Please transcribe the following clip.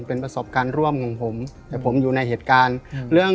เป็นประสบการณ์ร่วมของผมแต่ผมอยู่ในเหตุการณ์เรื่อง